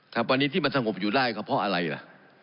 ครับวันนี้ที่มันสงบอยู่ได้ก็เพราะอะไรล่ะ